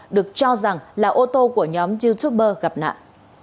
được cho rằng là ô tô của nhóm youtuber gặp nạn